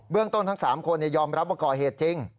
เรื่องต้นทั้ง๓คนยอมรับว่าก่อเหตุจริง